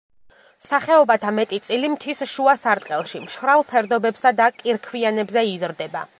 სახეობათა მეტი წილი მთის შუა სარტყელში, მშრალ ფერდობებსა და კირქვიანებზე იზრდება.